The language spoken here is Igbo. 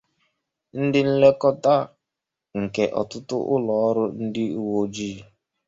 Ndị nlekọta, nke ọtụtụ ụlọ ọrụ ndị uwe ojii.